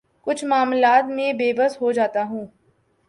کچھ معاملات میں بے بس ہو جاتا ہوں